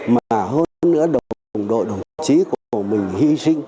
mà hơn nữa đồng đội đồng chí của mình